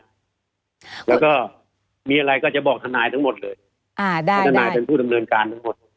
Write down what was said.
แล้วก็มีอะไรก็จะบอกทนายทั้งหมดเลยอ่าได้เพราะทนายเป็นผู้ดำเนินการทั้งหมด